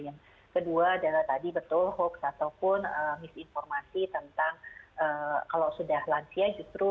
yang kedua adalah tadi betul hoax ataupun misinformasi tentang kalau sudah lansia justru